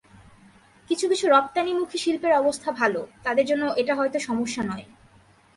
কিছু কিছু রপ্তানিমুখী শিল্পের অবস্থা ভালো, তাদের জন্য এটা হয়তো সমস্যা নয়।